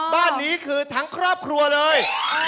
บ้านนี้คือทั้งครอบครัวเลย